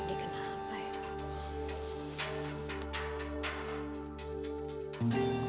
ini kenapa ya